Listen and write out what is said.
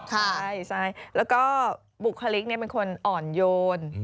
ใช่แล้วก็บุคลิกเป็นคนอ่อนโยน